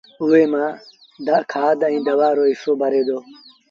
اُئي مآݩ کآڌ ائيٚݩ دوآ رو اڌ هسو ڀري دو